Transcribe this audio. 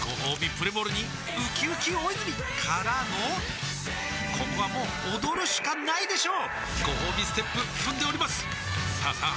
プレモルにうきうき大泉からのここはもう踊るしかないでしょうごほうびステップ踏んでおりますさあさあ